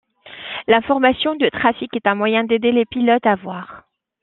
L'information de trafic est un moyen d'aider les pilotes à voir.